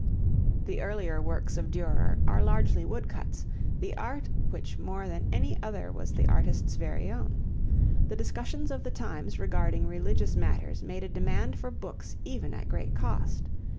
The earlier works of Durer are largely wood cuts, the art which more than any other was the artist's very own. The discussions of the times regarding religious matters made a demand for books even at great cost.